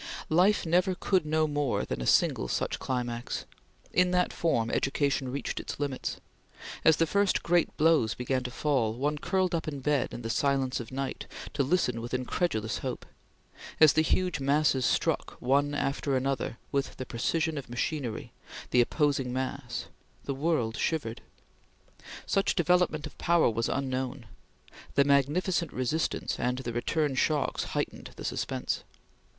Life never could know more than a single such climax. In that form, education reached its limits. As the first great blows began to fall, one curled up in bed in the silence of night, to listen with incredulous hope. As the huge masses struck, one after another, with the precision of machinery, the opposing mass, the world shivered. Such development of power was unknown. The magnificent resistance and the return shocks heightened the suspense.